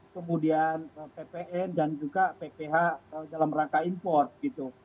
kemudian ppn dan juga pph dalam rangka import gitu